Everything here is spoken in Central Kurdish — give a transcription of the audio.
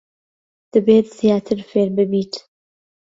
دەبێت زیاتر فێر ببیت.